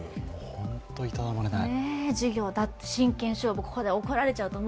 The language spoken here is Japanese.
本当にいたたまれない。